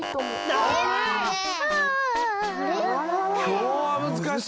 きょうはむずかしいなあ！